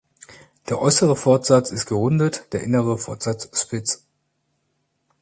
Der äußere Fortsatz ist gerundet der innere Fortsatz spitz.